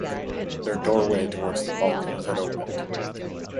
Their doorway towards the Balkans had opened.